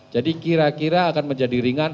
kira kira akan menjadi ringan